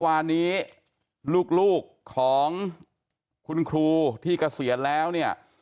วันนี้ลูกของคุณครูที่เกษียณแล้วเนี่ย